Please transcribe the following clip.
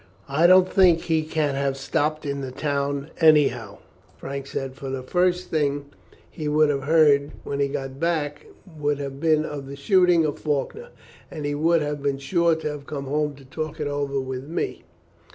"I don't think he can have stopped in the town anyhow," Frank said; "for the first thing he would have heard when he got back would have been of the shooting of Faulkner, and he would have been sure to have come home to talk it over with me.